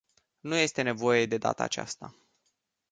Nu este nevoie de data aceasta.